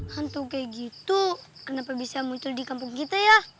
hantu kayak gitu kenapa bisa muncul di kampung kita ya